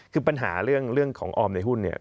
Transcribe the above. คือปัญหาเรื่องของออมในหุ้นเนี่ย